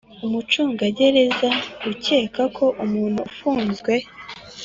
Umucungagereza ukeka ko umuntu ufunzwe